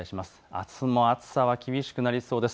あすも暑さは厳しくなりそうです。